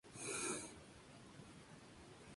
La inversión total ascendió a tres millones de euros.